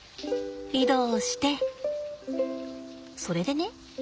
移動してそれでね。